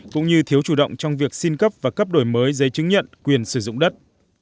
cũng như thiếu chủ động trong việc xin cấp và cấp đổi mới giấy chứng nhận quyền sử dụng đất